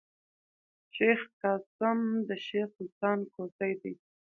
شېخ قاسم د شېخ سلطان کوسی دﺉ.